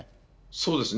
そうですね。